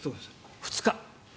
２日。